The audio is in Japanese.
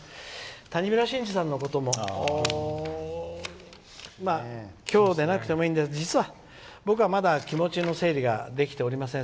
谷村新司さんのことも今日でなくてもいいんですが実は、僕はまだ気持ちの整理ができておりません。